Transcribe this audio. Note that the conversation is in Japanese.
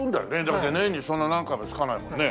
だって年にそんな何回もつかないもんね。